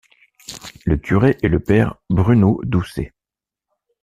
Le curé est le père Bruno Doucet.